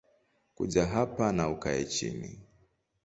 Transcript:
Kuja hapa na ukae chini